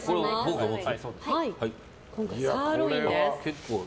今回サーロインです。